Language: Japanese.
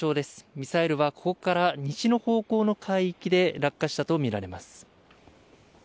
ミサイルはここから西の方向の海域で落下したとみられます。